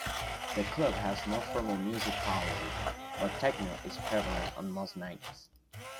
The club has no formal music policy, but techno is prevalent on most nights.